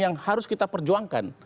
yang harus kita perjuangkan